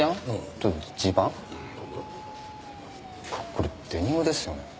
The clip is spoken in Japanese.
これデニムですよね？